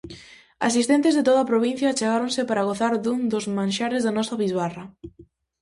Asistentes de toda a provincia achegáronse para gozar dun dos manxares da nosa bisbarra.